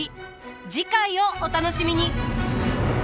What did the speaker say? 次回をお楽しみに。